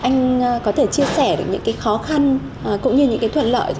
anh có thể chia sẻ được những cái khó khăn cũng như những cái thuận lợi